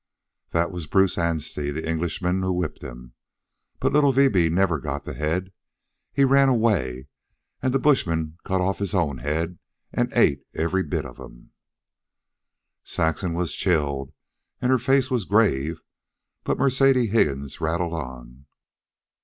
That was Bruce Anstey, the Englishman who whipped him. But little Vibi never got the head. He ran away and the bushmen cut off his own head and ate every bit of him." Saxon chilled, and her face was grave; but Mercedes Higgins rattled on.